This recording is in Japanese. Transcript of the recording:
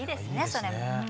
それも。